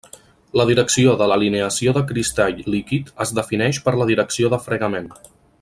La direcció de l'alineació de cristall líquid es defineix per la direcció de fregament.